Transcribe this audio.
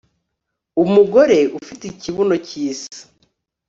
umugore ufite ikibuno cyisi